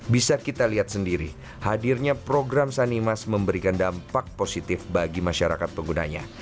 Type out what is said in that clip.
bisa kita lihat sendiri hadirnya program sanimas memberikan dampak positif bagi masyarakat penggunanya